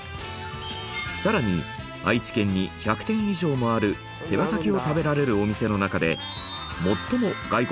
さらに愛知県に１００店以上もある手羽先を食べられるお店の中で。